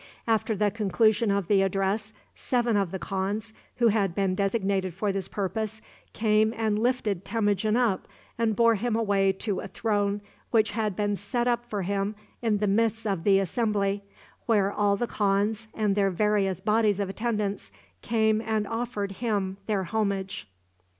After the conclusion of the address, seven of the khans, who had been designated for this purpose, came and lifted Temujin up and bore him away to a throne which had been set up for him in the midst of the assembly, where all the khans, and their various bodies of attendants, came and offered him their homage.